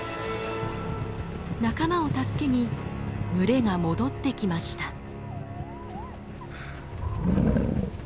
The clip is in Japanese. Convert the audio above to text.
仲間を助けに群れが戻ってきました。